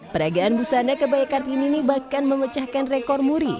peragaan busana kebaikan ini bahkan memecahkan rekor muri